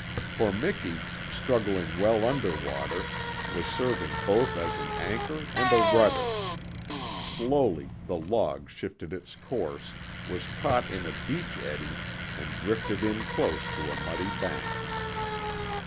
For Miki, struggling well under water, was serving both as an anchor and a rudder; slowly the log shifted its course, was caught in a beach eddy, and drifted in close to a muddy bank.